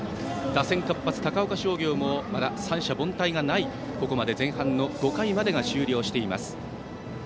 打線活発、高岡商業もまだ三者凡退がないここまで前半の５回までが終了しています。